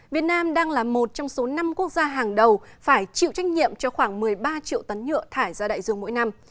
việt nam đang là một trong số năm quốc gia hàng đầu phải chịu trách nhiệm cho khoảng một mươi ba triệu tấn nhựa thải ra đại dương mỗi năm